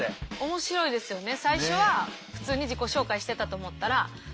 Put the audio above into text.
面白いですよね。